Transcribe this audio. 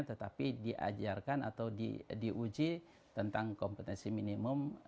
tetapi diajarkan atau diuji tentang kompetensi minimum